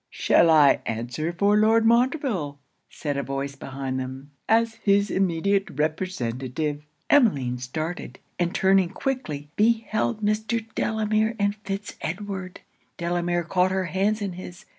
'Shall I answer for Lord Montreville,' said a voice behind them, 'as his immediate representative?' Emmeline started; and turning quickly, beheld Mr. Delamere and Fitz Edward. Delamere caught her hands in his.